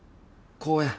公園？